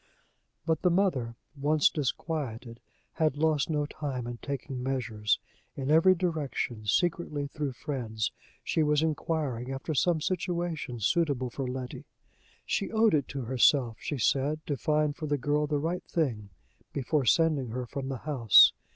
But the mother, once disquieted, had lost no time in taking measures. In every direction, secretly, through friends, she was inquiring after some situation suitable for Letty: she owed it to herself, she said, to find for the girl the right thing, before sending her from the house.